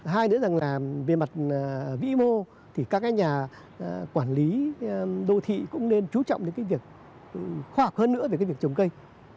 hai nữa rằng là về mặt vĩ mô thì các cái nhà quản lý đô thị cũng nên chú trọng đến cái việc khoa học hơn nữa về cái việc trồng cây